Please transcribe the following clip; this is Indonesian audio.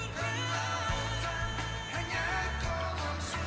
tuhan di atasku